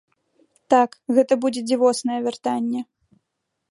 Так, гэта будзе дзівоснае вяртанне.